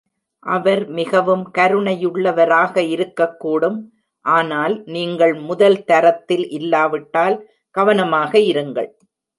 அவர் மிகவும் கருணையுள்ளவராக இருக்கக் கூடும், ஆனால் நீங்கள் முதல்-தரத்தில் இல்லாவிட்டால், கவனமாக இருங்கள்.